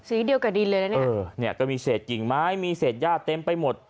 เดียวกับดินเลยนะเนี่ยเออเนี่ยก็มีเศษกิ่งไม้มีเศษย่าเต็มไปหมด